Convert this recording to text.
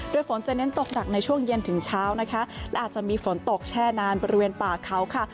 โดยฝนจะเน้นตกหนักในช่วงเย็นถึงเช้านะคะและอาจจะมีฝนตกแช่นานบริเวณป่าเขาค่ะ